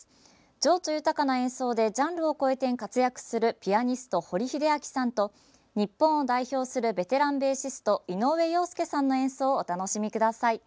情緒豊かな演奏でジャンルを超えて活躍するピアニスト堀秀彰さんと日本を代表するベテランベーシスト井上陽介さんの演奏をお楽しみください。